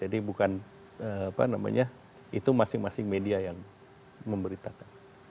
jadi bukan apa namanya itu masing masing media yang memberitakan